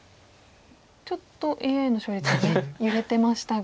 ちょっとＡＩの勝率が揺れてましたが。